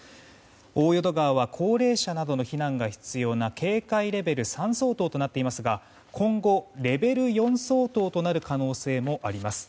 大淀川は高齢者などの避難が必要な警戒レベル３相当となっていますが今後、レベル４相当となる可能性もあります。